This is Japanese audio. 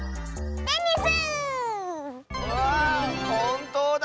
わあほんとうだ！